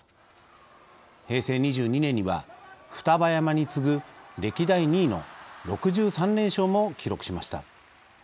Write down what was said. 平成２２年には双葉山に次ぐ歴代２位の６３連勝も記録しました。